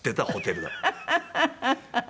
ハハハハ。